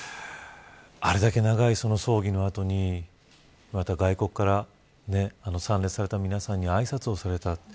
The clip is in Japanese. あれだけ長い葬儀の後にまた外国から参列された皆さんにあいさつをされた。